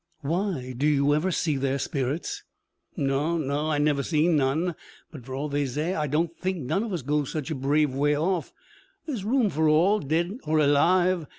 'Why? Do you ever see their spirits?' 'Naw, naw; I never zeen none; but, for all they zay, ah don't think none of us goes such a brave way off. There's room for all, dead or alive.